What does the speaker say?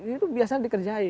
itu biasanya dikerjai